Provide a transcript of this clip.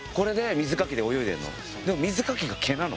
水かきが毛なの？